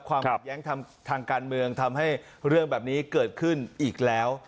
ความขัดแย้งทางการเมืองทำให้เรื่องแบบนี้เกิดขึ้นอีกแล้ว